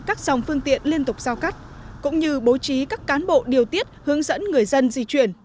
các dòng phương tiện liên tục giao cắt cũng như bố trí các cán bộ điều tiết hướng dẫn người dân di chuyển